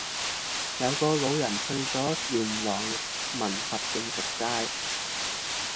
有個老人去左元朗民合徑食齋